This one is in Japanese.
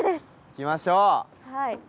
行きましょう！